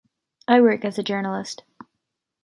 I work as a journalist.